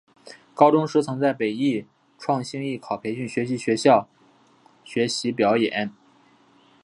高中时曾在北艺创星艺考培训学校学习表演。